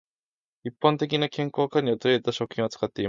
一般的な健康管理を取り入れた食品を使っています。